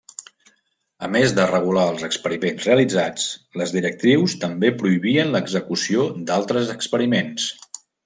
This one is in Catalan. A més de regular els experiments realitzats, les directrius també prohibien l'execució d'altres experiments.